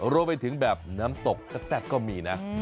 รวมไปถึงแบบน้ำตกแซ่บก็มีนะ